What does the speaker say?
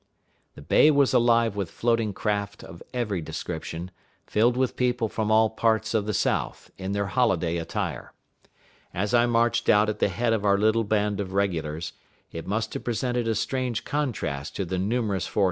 The bay was alive with floating craft of every description, filled with people from all parts of the South, in their holiday attire. As I marched out at the head of our little band of regulars, it must have presented a strange contrast to the numerous forces that had assailed us; some sixty men against six thousand.